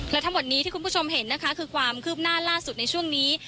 และทั้งหมดนี้ที่คุณผู้ชมเห็นนะคะคือความคืบหน้าล่าสุดในช่วงนี้